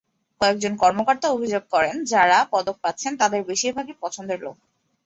কয়েকজন কর্মকর্তা অভিযোগ করেন, যাঁরা পদক পাচ্ছেন, তাঁদের বেশির ভাগই পছন্দের লোক।